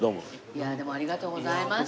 いやでもありがとうございました。